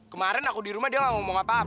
kemarin aku di rumah dia gak ngomong apa apa